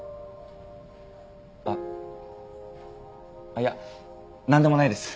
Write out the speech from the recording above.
あっいやなんでもないです。